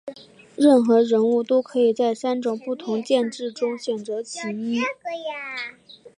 任何人物都可以在三种不同剑质中选择其一。